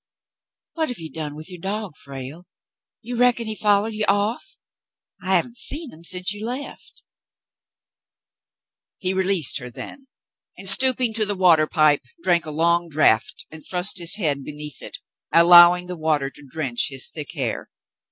"What have you done with your dog, Frale? You reckon he followed you off .^ I haven't seen him since you left.'' . Frale Returns " 157 He released her then and, stooping to the water pipe, drank a long draft, and thrust his head beneath it, allowing the water to drench his thick hair.